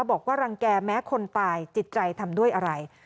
บอกว่ารังแก่แม้คนตายจิตใจทำด้วยอะไร